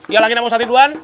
ya lagi gak mau tiduran